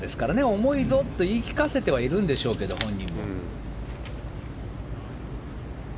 重いぞって言い聞かせてはいるんでしょうけど、本人も。